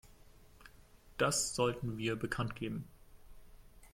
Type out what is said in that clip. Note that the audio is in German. Das sollten wir bekanntgeben.